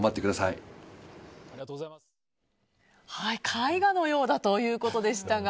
絵画のようだということでしたが